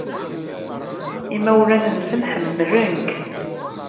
Imawlan-nsen ḥemmlen-k.